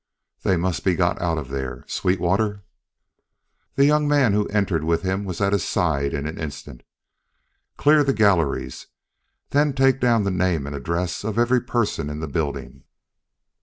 "They must be got out of there. Sweetwater!" The young man who had entered with him was at his side in an instant. "Clear the galleries. Then take down the name and address of every person in the building."